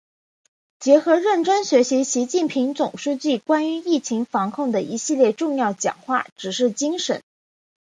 结合认真学习习近平总书记关于疫情防控的一系列重要讲话、指示精神